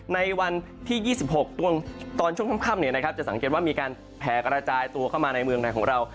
ในวันที่๒๖ตอนช่วงค่ำจะสังเกตว่ามีการแผลกระจายตัวเข้ามาในเมืองไทยของเรา